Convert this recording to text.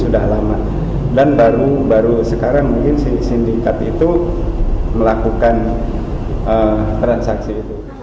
sudah lama dan baru baru sekarang mungkin sindikat itu melakukan transaksi itu